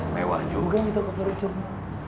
mewah juga nih toko farid coba